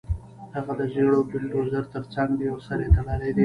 هغه د زېړ بلډیزور ترڅنګ دی او سر یې تړلی دی